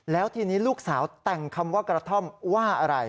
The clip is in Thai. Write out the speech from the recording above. แล้วทีนี้ลูกสาวแต่งคำว่ากระท่อมว่าอะไร